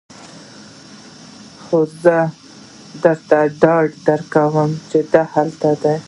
خو زه درته ډاډ درکوم چې دا هلته دی